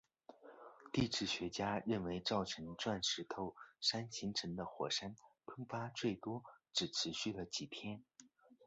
地质学家认为造成钻石头山形成的火山喷发最多只持续了几天。